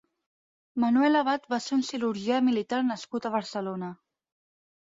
Manuel Abat va ser un cirurgià militar nascut a Barcelona.